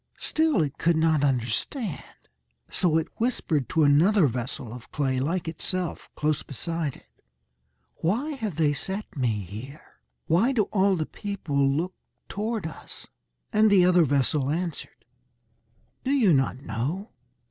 Still it could not understand. So it whispered to another vessel of clay, like itself, close beside it, "Why have they set me here? Why do all the people look toward us?" And the other vessel answered, "Do you not know?